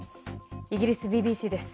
イギリスＢＢＣです。